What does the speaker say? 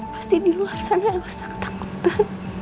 pasti di luar sana elsa ketangkutan